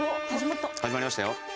始まりましたよ。